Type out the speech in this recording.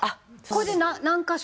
これで何カ所？